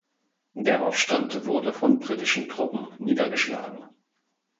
Der Aufstand wurde von britischen Truppen niedergeschlagen.